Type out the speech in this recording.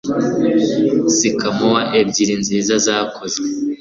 Sikamore ebyiri nziza zakoze